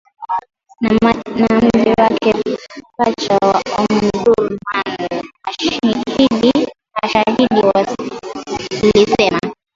na mji wake pacha wa Omdurman, mashahidi walisema